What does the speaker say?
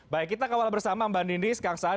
baik kita kawal bersama mbak nindis kangsaan